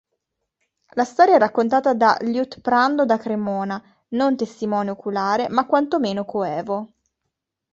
La storia è raccontata da Liutprando da Cremona, non testimone oculare, ma quantomeno coevo.